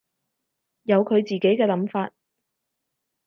有佢自己嘅想法